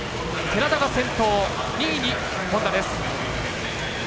寺田が先頭、２位に本多です。